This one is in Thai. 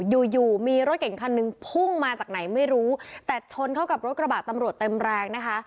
อยู่อยู่มีรถเก่งคันหนึ่งพุ่งมาจากไหนไม่รู้แต่ชนเข้ากับรถกระบะตำรวจเต็มแรงนะคะ